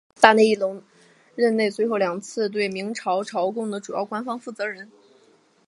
大内义隆任内最后两次对明朝贡的主要官方负责人。